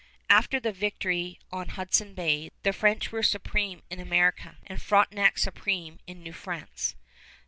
After the victory on Hudson Bay the French were supreme in America and Frontenac supreme in New France.